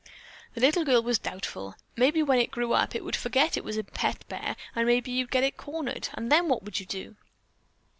The little girl was doubtful. "Maybe, when it grew up, it would forget it was a pet bear, and maybe you'd get it cornered, and then what would you do?"